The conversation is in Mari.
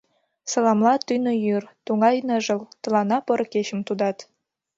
Саламла тӱнӧ йӱр, тугай ныжыл, Тылана поро кечым тудат.